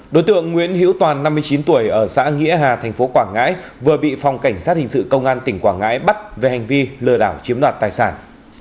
đối tượng nguyễn hiễu toàn năm mươi chín tuổi ở xã nghĩa hà thành phố quảng ngãi vừa bị phòng cảnh sát hình sự công an tỉnh quảng ngãi bắt về hành vi lừa đảo chiếm đoạt tài sản